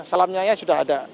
salamnya ya sudah ada